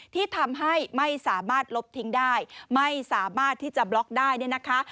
ที่ทำให้ไม่สามารถลบทิ้งได้ไม่สามารถที่จะบล็อกได้เนี่ยนะคะ